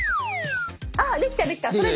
あっできたできた！